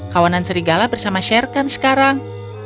kawanan serigala bersama shere khan sekarang